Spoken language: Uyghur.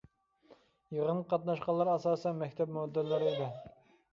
يىغىنغا قاتناشقانلار ئاساسەن مەكتەپ مۇدىرلىرى ئىدى.